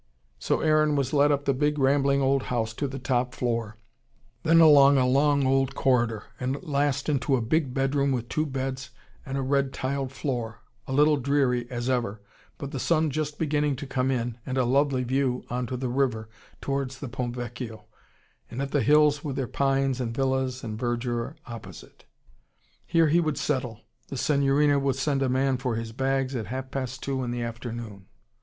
So Aaron was led up the big, rambling old house to the top floor then along a long old corridor and at last into a big bedroom with two beds and a red tiled floor a little dreary, as ever but the sun just beginning to come in, and a lovely view on to the river, towards the Ponte Vecchio, and at the hills with their pines and villas and verdure opposite. Here he would settle. The signorina would send a man for his bags, at half past two in the afternoon.